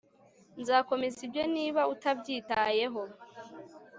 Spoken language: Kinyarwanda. Nzakomeza ibyo niba utabyitayeho